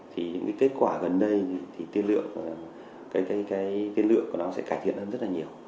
thì những kết quả gần đây thì tiên lượng của nó sẽ cải thiện hơn rất là nhiều